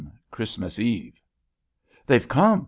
CHRISTMAS EVE. "They've come!